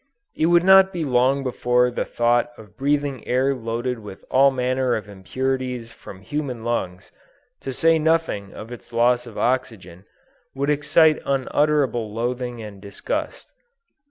It would not be long before the thought of breathing air loaded with all manner of impurities from human lungs, to say nothing of its loss of oxygen, would excite unutterable loathing and disgust.